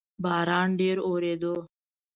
باران ډیر اووریدو